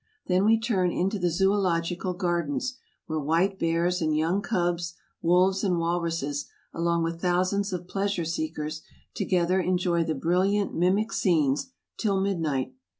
Then we turn into the Zoological Gardens, where white bears and young cubs, wolves, and walruses, along with thousands of pleasure seekers, together enjoy the brilliant mimic scenes till mid night.